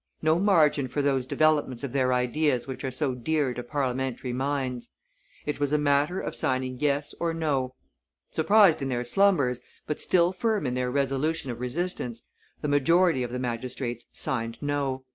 No margin for those developments of their ideas which are so dear to parliamentary minds! It was a matter of signing yes or no. Surprised in their slumbers, but still firm in their resolution of resistance, the majority of the magistrates signed no.